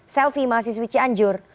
selfie masih switchi anjur